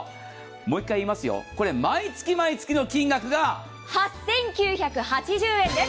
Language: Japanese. もう一回言いますよ、毎月毎月の金額が８９８０円です。